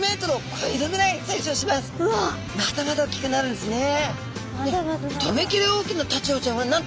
まだまだ大きくなるんですね。